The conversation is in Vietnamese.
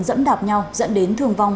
dẫn đạp nhau dẫn đến thương vong